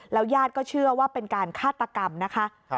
ญาติก็เชื่อว่าเป็นการฆาตกรรมนะคะ